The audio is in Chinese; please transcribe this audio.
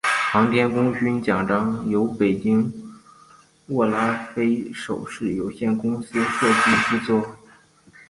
航天功勋奖章由北京握拉菲首饰有限公司设计制作。